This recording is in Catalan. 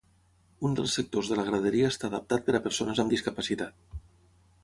Un dels sectors de la graderia està adaptat per a persones amb discapacitat.